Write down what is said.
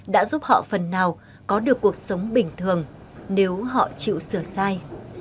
đã giúp họ phần nào có được cuộc sống bình thường nếu họ chịu sửa sai